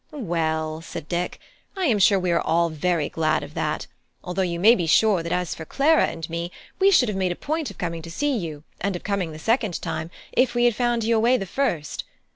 "Well," said Dick, "I am sure we are all very glad of that; although you may be sure that as for Clara and me, we should have made a point of coming to see you, and of coming the second time, if we had found you away the first.